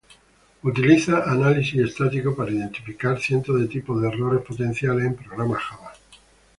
Utiliza análisis estático para identificar cientos de tipos de errores potenciales en programas Java.